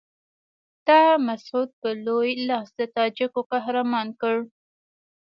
تا مسعود په لوی لاس د تاجکو قهرمان کړ.